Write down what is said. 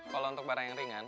kalau untuk barang yang ringan